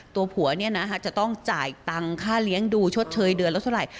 ตัวผัวจะต้องจ่ายตังค่าเลี้ยงดูชดเชยเดือนละเท่าไหร่